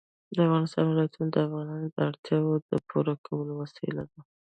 د افغانستان ولايتونه د افغانانو د اړتیاوو د پوره کولو وسیله ده.